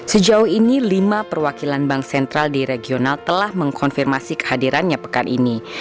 sejauh ini lima perwakilan bank sentral di regional telah mengkonfirmasi kehadirannya pekan ini